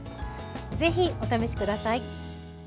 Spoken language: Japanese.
ぜひお試しください。